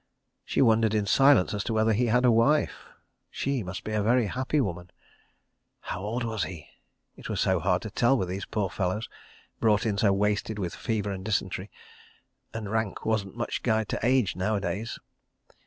She wondered in silence as to whether he had a wife—she must be a very happy woman. ... How old was he? ... It was so hard to tell with these poor fellows, brought in so wasted with fever and dysentery; and rank wasn't much guide to age nowadays.